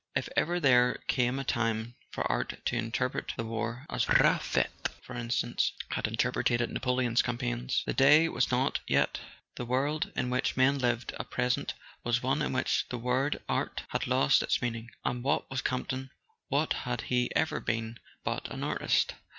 If ever there came a time for art to interpret the war, as Raffet, for instance, had interpreted Napoleon's campaigns, the day was not yet; the world in which men lived at pres¬ ent was one in which the word "art" had lost its mean¬ ing. And what was Campton, what had he ever been, but an artist?